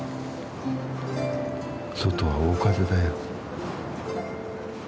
外は大風だよ。